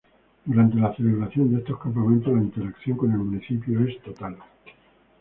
Durante la celebración de estos campamentos, la interacción con el municipio es total.